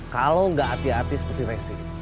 kalau enggak hati hati seperti reaksi